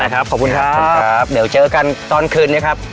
นะครับขอบคุณครับขอบคุณครับเดี๋ยวเจอกันตอนคืนเนี้ยครับ